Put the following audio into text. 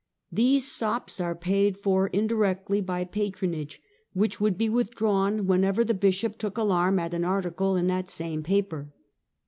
These " sops " are paid for indi rectly by patronage, which wonld be withdrawn when ever the Bishop took alarm at an article in that same paper.